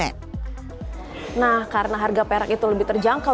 nah karena harga perak itu lebih terjangkau